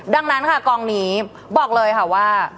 ดังนั้นค่ะกองนี้บอกเลยค่ะว่า